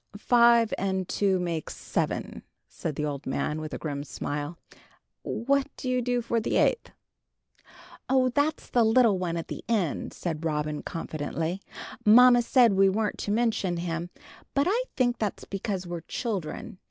"Five and two make seven," said the old man, with a grim smile; "what do you do for the eighth?" "Oh, that's the little one at the end," said Robin, confidently. "Mamma said we weren't to mention him, but I think that's because we're children.